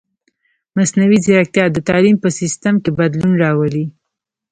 مصنوعي ځیرکتیا د تعلیم په سیستم کې بدلون راولي.